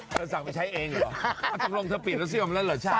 เธอสั่งไปใช้เองเหรอจำลงเธอเปลี่ยนรัสเซียมแล้วเหรอชาว